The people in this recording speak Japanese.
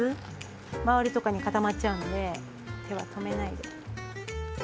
周りとかに固まっちゃうので手は止めないで。